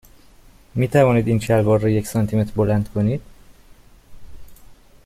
می توانید این شلوار را یک سانتی متر بلند کنید؟